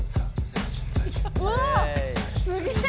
うわあすげえ！